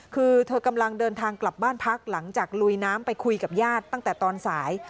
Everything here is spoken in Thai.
คือเธอกำลังเดินทางกลับบ้านพักหลังจากลุยน้ำไปคุยกับญาติตั้งแต่ตอนสาย